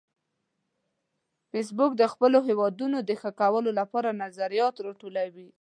فېسبوک د خپلو هیوادونو د ښه کولو لپاره نظریات راټولوي